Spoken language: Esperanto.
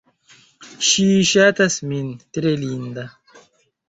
Ŝi ŝatas min. Tre linda.